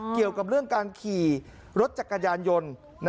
เกี่ยวกับเรื่องการขี่รถจักรยานยนต์